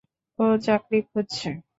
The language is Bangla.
ও চাকরি খুঁজছে।